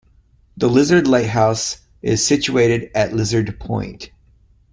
The Lizard Lighthouse is situated at Lizard Point.